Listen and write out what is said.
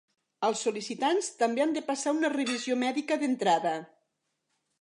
Els sol·licitants també han de passar una revisió mèdica d'entrada.